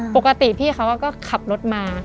ปกติพี่เขาก็ขับรถมา